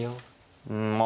うんまあ